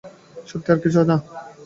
সত্যি আর কিছু না।